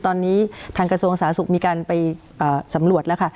ตอนนี้ทางกระทรวงสาธารณสุขมีการไปสำรวจแล้วค่ะ